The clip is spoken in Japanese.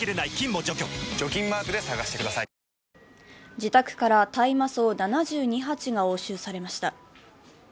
自宅から大麻草７２鉢が押収されました。